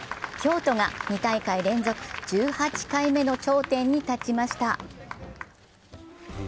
京都が２大会連続１８回目の頂点に立ちました。